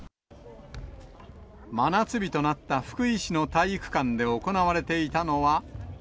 真夏日となった福井市の体育館で行われていたのは。